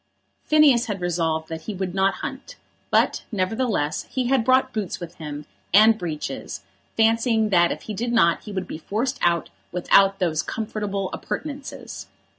Phineas had resolved that he would not hunt; but, nevertheless, he had brought boots with him, and breeches, fancying that if he did not he would be forced out without those comfortable appurtenances.